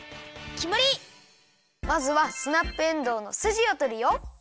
まずはスナップエンドウのすじをとるよ！